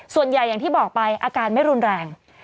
ส่วนใหญ่อย่างที่บอกไปอาการไม่รุนแรง